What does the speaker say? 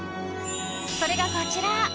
それがこちら。